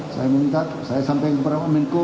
saya minta saya sampaikan kepada pak menko